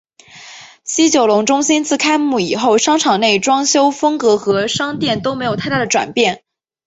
西九龙中心自开幕以后商场内外装修风格和商店都没太大的转变。